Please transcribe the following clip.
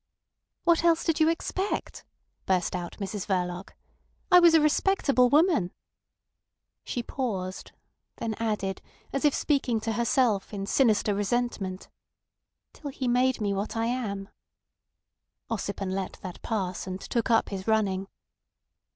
..." "What else did you expect?" burst out Mrs Verloc. "I was a respectable woman—" She paused, then added, as if speaking to herself, in sinister resentment: "Till he made me what I am." Ossipon let that pass, and took up his running.